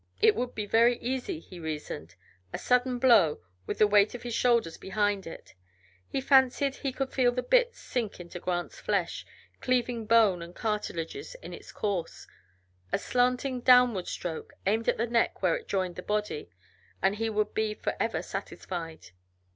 It would be very easy, he reasoned; a sudden blow, with the weight of his shoulders behind it he fancied he could feel the bit sink into Grant's flesh, cleaving bone and cartilages in its course a slanting downward stroke, aimed at the neck where it joined the body, and he would be forever satisfied.